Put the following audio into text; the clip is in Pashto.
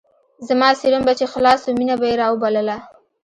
زما سيروم به چې خلاص سو مينه به يې راوبلله.